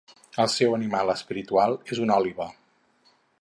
Al seu animal espiritual és una òliba.